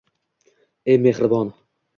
Ey mehribon